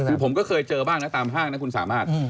คือผมก็เคยเจอบ้างนะตามห้างนะคุณสามารถ